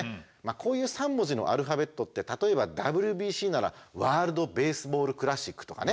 こういう３文字のアルファベットって例えばＷＢＣならワールドベースボールクラシックとかね。